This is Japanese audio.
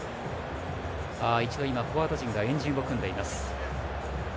一度、フォワード陣が円陣を組みました。